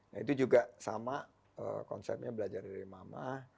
nah itu juga sama konsepnya belajar dari mama